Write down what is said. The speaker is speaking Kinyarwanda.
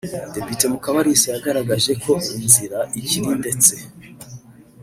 Depite Mukabalisa yagaragaje ko inzira ikiri ndetse